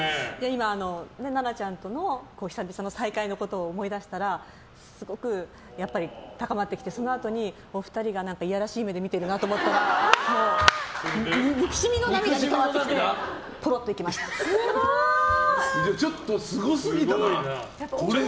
今、奈々ちゃんとの久々の再会のことを思い出したらすごく高まってきてそのあとに、お二人がいやらしい目で見ているなと思ったら憎しみの涙に変わってきてちょっと、すごすぎたな。